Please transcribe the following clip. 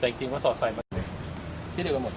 แต่จริงก็สอดใส่ไปที่เดียวกันหมด